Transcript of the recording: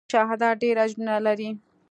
شهادت ډېر اجرونه لري.